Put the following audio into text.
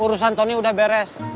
urusan tony udah beres